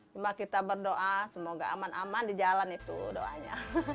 cuma kita berdoa semoga aman aman di jalan itu doanya